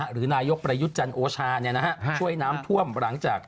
หรือนายกประยุทธ์จันทร์โอชาช่วยน้ำท่วมหลังจาก